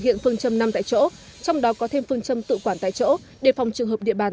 hiện phương châm năm tại chỗ trong đó có thêm phương châm tự quản tại chỗ để phòng trường hợp địa bàn